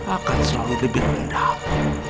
akan selalu lebih rendah